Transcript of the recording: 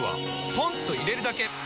ポンと入れるだけ！